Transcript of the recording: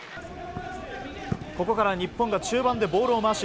ここから日本が中盤でボールを回し